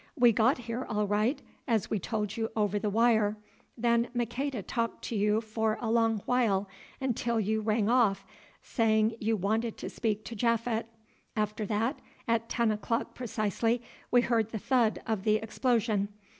"We got here all right, as we told you over the wire. Then Maqueda talked to you for a long while until you rang off, saying you wanted to speak to Japhet. After that, at ten o'clock precisely, we heard the thud of the explosion.